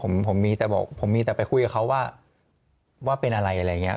ไม่ครับผมมีแต่ไปคุยกับเขาว่าเป็นอะไรอะไรอย่างนี้